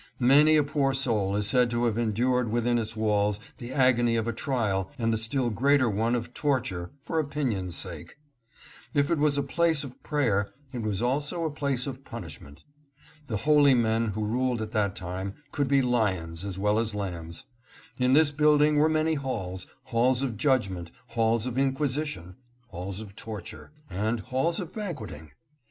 Many a poor soul is said to have endured within its walls the agony of a trial and the still greater one of torture for opin ion's sake. If it was a place of prayer, it was also a place of punishment. The holy men who ruled at that day could be lions as well as lambs. In this building were many halls, — halls of judgment, halls of inquisi tion, halls of torture, and halls of banqueting.